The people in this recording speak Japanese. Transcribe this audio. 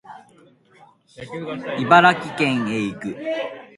茨城県へ行く